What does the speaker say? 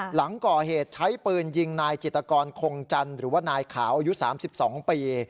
หลังก่อเหตุใช้ปืนยิงนายจิตกรคงจันทร์หรือว่านายขาวอายุ๓๒ปี